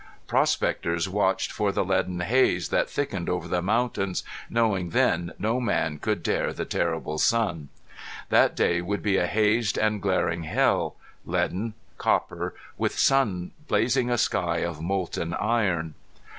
Prospectors watched for the leaden haze that thickened over the mountains, knowing then no man could dare the terrible sun. That day would be a hazed and glaring hell, leaden, copper, with sun blazing a sky of molten iron.